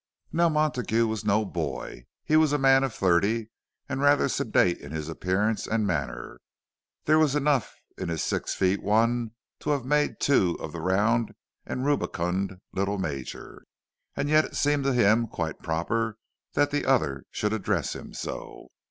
Now Montague was no boy—he was a man of thirty, and rather sedate in his appearance and manner; there was enough in his six feet one to have made two of the round and rubicund little Major. And yet it seemed to him quite proper that the other should address him so.